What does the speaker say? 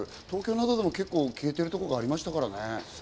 東京などでも消えているところがありましたからね。